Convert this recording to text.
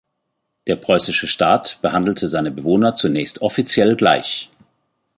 Der preußische Staat behandelte seine Bewohner zunächst offiziell gleich.